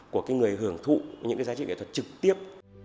của người hưởng thụ những giá trị nghệ thuật trực tiếp